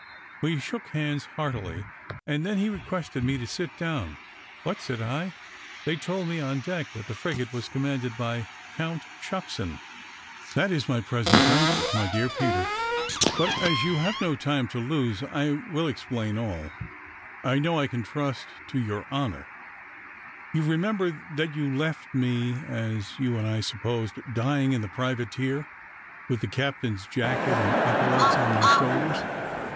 We shook hands heartily, and then he requested me to sit down. "But," said I, "they told me on deck that the frigate was commanded by a Count Shucksen." "That is my present rank, my dear Peter," said he; "but as you have no time to lose, I will explain all. I know I can trust to your honour. You remember that you left me, as you and I supposed, dying in the privateer, with the captain's jacket and epaulets on my shoulders.